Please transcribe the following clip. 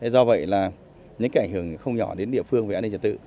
do vậy là những cái ảnh hưởng không nhỏ đến địa phương về an ninh trật tự